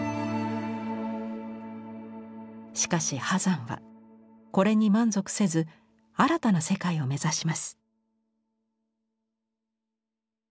しかし波山はこれに満足せず新たな世界を目指します。